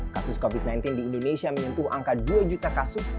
kasus covid sembilan belas di indonesia menyentuh angka dua juta kasus